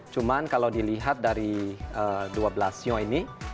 cuman kalau dilihat dari dua belas sio ini